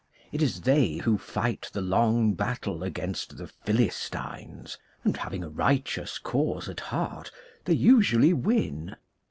It is they who fight the long battle against the Philis tines; and having a righteous cause at heart, they usually win.